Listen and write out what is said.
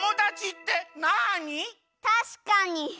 たしかに。